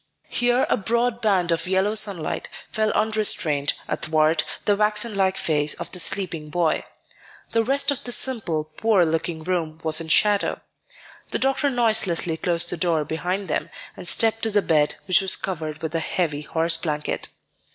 Here a broad band of yellow sunlight fell unrestrained athwart the waxen like face of the sleeping boy. The rest of the simple, poor looking room was in shadow. The doctor noiselessly closed the door behind them, and stepped to the bed, which was covered with a heavy horse blanket.